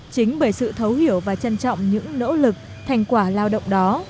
chính bởi sự thấu hiểu và trân trọng những nỗ lực thành quả lao động đó